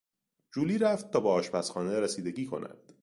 جولی رفت تا به آشپزخانه رسیدگی کند.